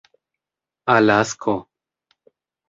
alasko